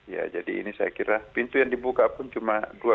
ya jadi ini saya kira pintu yang dibuka pun cuma dua